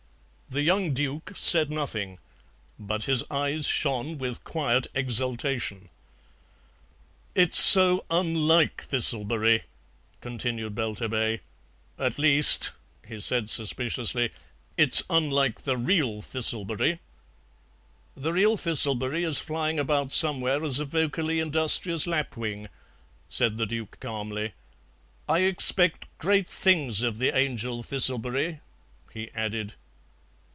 The young Duke said nothing, but his eyes shone with quiet exultation. "It's so unlike Thistlebery," continued Belturbet; "at least," he said suspiciously, "it's unlike the REAL Thistlebery " "The real Thistlebery is flying about somewhere as a vocally industrious lapwing," said the Duke calmly; "I expect great things of the Angel Thistlebery," he added.